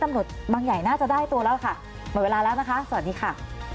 ตำรวจบางใหญ่น่าจะได้ตัวแล้วค่ะหมดเวลาแล้วนะคะสวัสดีค่ะ